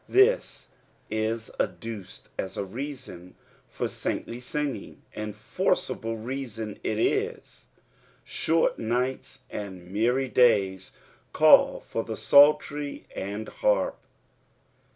This is adduced as a reason for saintly singinv, and forcible reason it is ; abort oigbtB and merry days call for the psaltery ana harp.